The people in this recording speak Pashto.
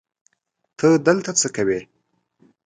ته دلته څه کوې؟